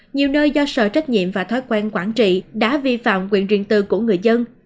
nhiều nơi do sợ trách nhiệm và thói quen quản trị đã vi phạm quyền riêng tư của người dân